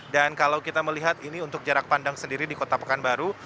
dan kalau kita melihat ini untuk jarak pandang sendiri di kota pekanbaru